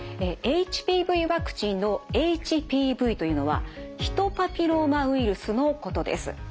ＨＰＶワクチンの「ＨＰＶ」というのはヒトパピローマウイルスのことです。